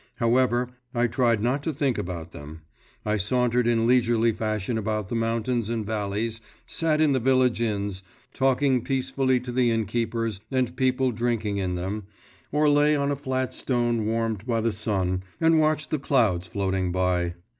However, I tried not to think about them; I sauntered in leisurely fashion about the mountains and valleys, sat in the village inns, talking peacefully to the innkeepers and people drinking in them, or lay on a flat stone warmed by the sun, and watched the clouds floating by.